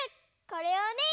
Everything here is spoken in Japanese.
これをね